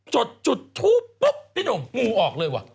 จุดทูปปุ๊บพี่หนุ่มงูออกเลยว่ะ